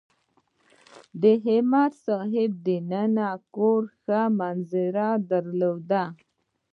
د همت صاحب دننه کور ښه منظره درلوده.